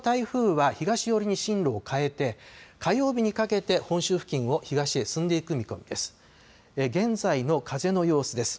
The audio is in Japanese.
その後、台風は東寄りに進路を変えて火曜日にかけて本州付近を東へ進んでいく見込みです。